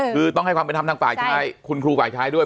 คือต้องให้ความเป็นธรรมทางฝ่ายชายคุณครูฝ่ายชายด้วย